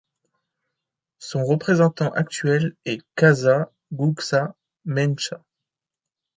Son représentant actuel est Kasa Gugsa Mengesha.